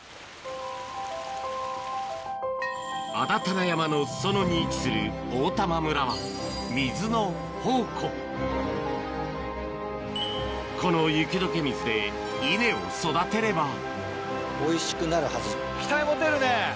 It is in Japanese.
安達太良山の裾野に位置する大玉村は水の宝庫この雪解け水で稲を育てればおいしくなるはず期待持てるね！